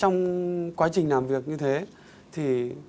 nói chuyện thu hút